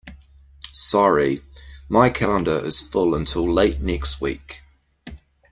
Sorry, my calendar is full until late next week.